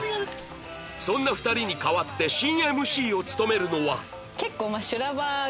そんな２人に代わって新 ＭＣ を務めるのは